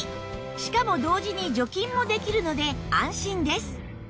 しかも同時に除菌もできるので安心です